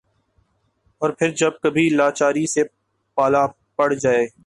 اور پھر جب کبھی لاچاری سے پالا پڑ جائے ۔